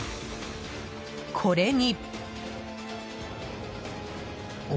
これに。